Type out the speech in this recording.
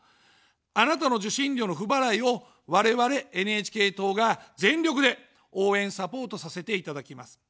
あなたの受信料の不払いを我々ＮＨＫ党が全力で応援・サポートさせていただきます。